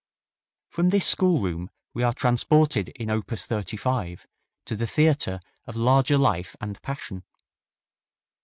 From this schoolroom we are transported in op. 35 to the theatre of larger life and passion.